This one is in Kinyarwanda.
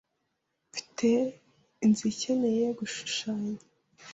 Mfite inzu ikeneye gushushanya.